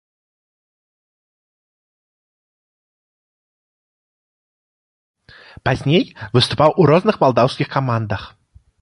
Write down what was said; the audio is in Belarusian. Пазней выступаў у розных малдаўскіх камандах.